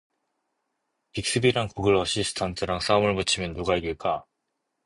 빅스비랑 구글 어시스턴트랑 싸움을 붙이면 누가 이길까?